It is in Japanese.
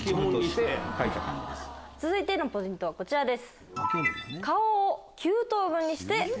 続いてのポイントはこちらです。